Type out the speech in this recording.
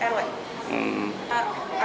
selama bulan seru kembangnya sih pak